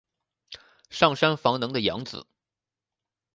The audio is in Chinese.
上杉房能的养子。